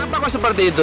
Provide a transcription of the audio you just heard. kenapa kok seperti itu